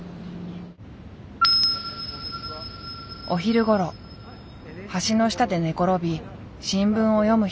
お昼ごろ橋の下で寝転び新聞を読む人がいた。